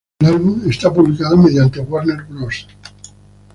El álbum está publicado mediante Warner Bros.